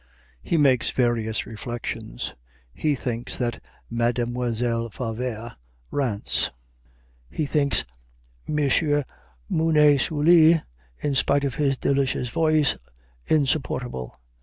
He makes various reflections. He thinks that Mademoiselle Favart rants. He thinks M. Mounet Sully, in spite of his delicious voice, insupportable.